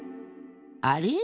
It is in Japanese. あれ？